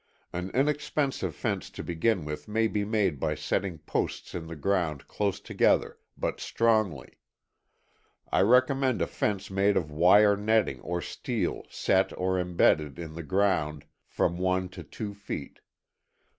An inexpensive fence to begin with may be made by setting posts in the ground close together, but strongly. I recommend a fence made of wire netting or steel set or inbedded in the ground from one to two feet.